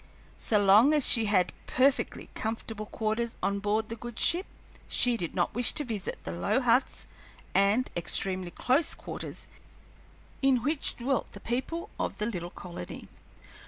So long as she had perfectly comfortable quarters on board the good ship she did not wish to visit the low huts and extremely close quarters in which dwelt the people of the little colony.